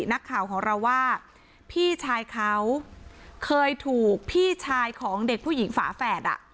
นักข่าวของเราว่าพี่ชายเขาเคยถูกพี่ชายของเด็กผู้หญิงฝาแฝดอ่ะ